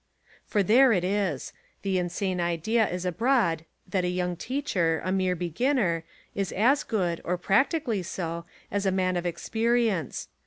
For there it is! The insane idea is abroad' that a young teacher, a mere beginner, is as good or practically so as a man of experience.